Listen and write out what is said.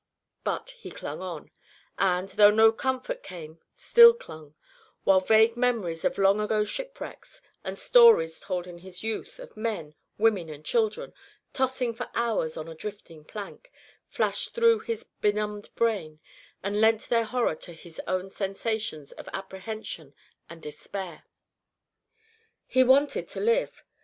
But he clung on, and, though no comfort came, still clung, while vague memories of long ago shipwrecks, and stories told in his youth of men, women, and children tossing for hours on a drifting plank, flashed through his benumbed brain, and lent their horror to his own sensations of apprehension and despair. He wanted to live.